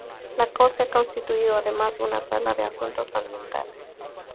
La Corte ha constituido además una Sala de Asuntos Ambientales.